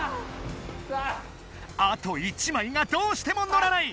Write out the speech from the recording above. あと１枚がどうしてものらない！